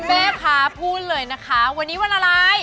แม่ค้าพูดเลยนะคะวันนี้วันอะไร